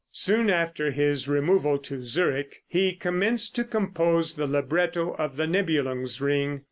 ] Soon after his removal to Zurich, he commenced to compose the libretto of the "Nibelung's Ring."